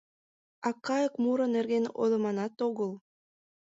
А кайык муро нерген ойлыманат огыл.